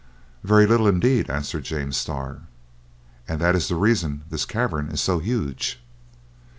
"Very little indeed," answered James Starr, "and that is the reason this cavern is so huge."